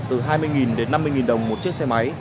từ hai mươi năm mươi nghìn đồng một chiếc xe máy